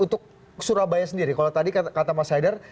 untuk surabaya sendiri kalau tadi kata mas haidar